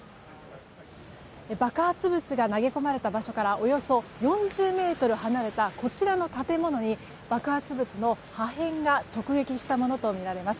爆発物が投げ込まれた場所からおよそ４０ｍ離れたこちらの建物に爆発物の破片が直撃したものとみられます。